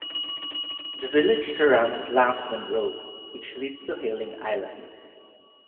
The village surrounds "Langstone Road" which leads to Hayling Island.